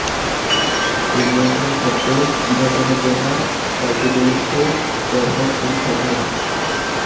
এই নিয়ন্ত্রণ সত্ত্বেও, বিনোদনের জন্য সাইকেডেলিকসের ব্যবহার খুবই সাধারণ।